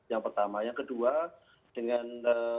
yang pertama yang kedua dengan